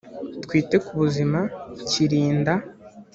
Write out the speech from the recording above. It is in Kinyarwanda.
twite ku buzima kirinda